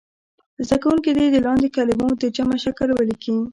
زده کوونکي دې د لاندې کلمو د جمع شکل ولیکي.